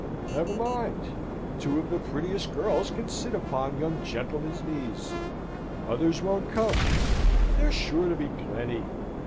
Never mind! Two of the prettiest girls can sit upon young gentlemen's knees: others won't come: there's sure to be plenty!